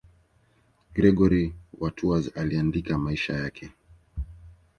Gregori wa Tours aliandika maisha yake.